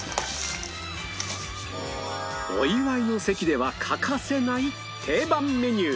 お祝いの席では欠かせない定番メニュー